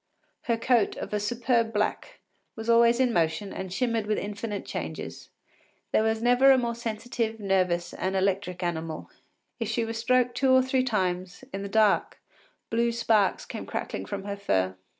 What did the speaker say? Her coat, of a superb black, was always in motion and shimmered with infinite changes. There never was a more sensitive, nervous, and electric animal. If she were stroked two or three times, in the dark, blue sparks came crackling from her fur.